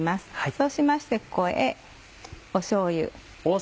そうしましてここへしょうゆ。